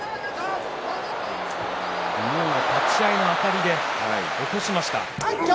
立ち合いのあたりで起こしました。